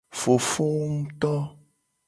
Fofowu to.